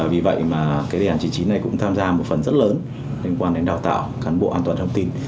vì vậy đề hành chính trí này cũng tham gia một phần rất lớn liên quan đến đào tạo cán bộ an toàn thông tin